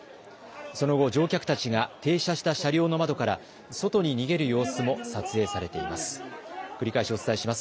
その後、乗客たちが停車した車両の窓から外に逃げる様子も撮影されています。